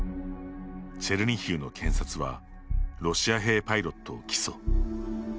チェルニヒウの検察はロシア兵パイロットを起訴。